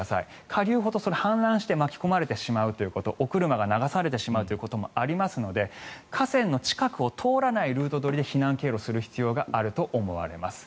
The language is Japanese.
下流ほど氾濫して巻き込まれてしまうということお車が流されてしまうということもありますので河川の近くを通らないルート取りで避難経路を確認する必要があります。